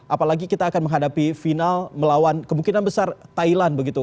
apalagi kita akan menghadapi final melawan kemungkinan besar thailand begitu